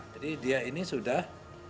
jadi dia ini sudah